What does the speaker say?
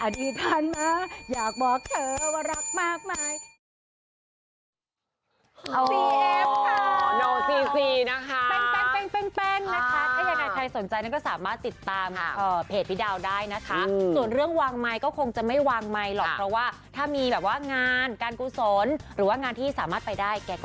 ที่ผ่านมาอยากบอกเธอว่ารักมากมาย